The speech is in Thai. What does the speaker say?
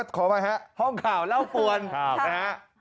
ขอมาฮะห้องข่าวเล่าปวนขอมาฮะ